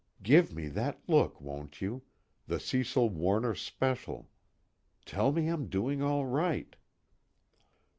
(_Give me that look, won't you? the Cecil Warner special. Tell me I'm doing all right.